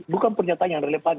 bukan pertanyaan yang relevan